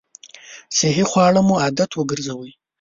صحي خواړه مو عادت وګرځوئ!